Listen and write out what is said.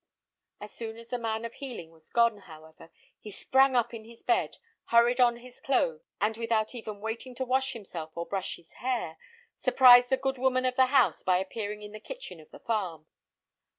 As soon as the man of healing was gone, however, he sprang up in his bed, hurried on his clothes, and without even waiting to wash himself or brush his hair, surprised the good woman of the house by appearing in the kitchen of the farm.